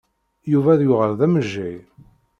Yuba yuɣal d amejjay.